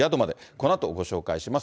このあとご紹介します。